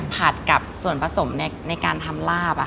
ผัดกับส่วนผสมในการทำลาบ